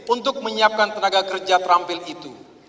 untuk menyiapkan tenaga kerja terampil itu